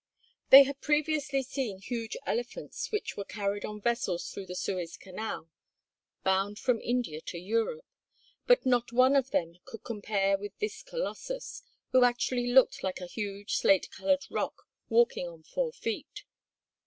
They had previously seen huge elephants which were carried on vessels through the Suez Canal bound from India to Europe, but not one of them could compare with this colossus, who actually looked like a huge slate colored rock walking on four feet.